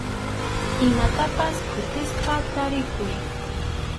Imamantapas phutisqa tarikuy.